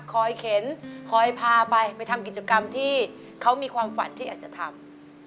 เข็นคอยพาไปไปทำกิจกรรมที่เขามีความฝันที่อยากจะทำ